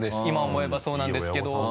今思えばそうなんですけど。